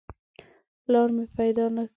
پلار مې پیدا نه کړ.